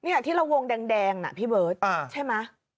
ที่เราวงแดงน่ะพี่เบิร์ตใช่ไหม